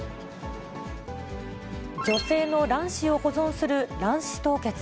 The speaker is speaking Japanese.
女性の卵子を保存する卵子凍結。